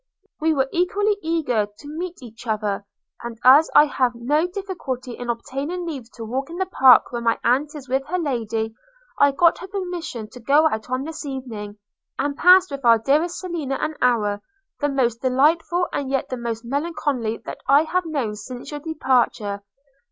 We were equally eager to meet each other; and as I have now no difficulty in obtaining leave to walk in the park when my aunt is with her Lady, I got her permission to go out on this evening, and passed with our dearest Selina an hour, the most delightful and yet the most melancholy that I have known since your departure.